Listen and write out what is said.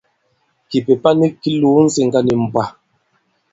Kìpèpa nik ki lòo ǹsiŋgà nì mbwà.